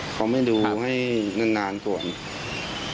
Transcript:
เขาไม่ดูให้นานก่อน